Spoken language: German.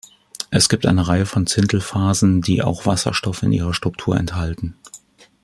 Es gibt eine Reihe von Zintl-Phasen, die auch Wasserstoff in ihrer Struktur enthalten.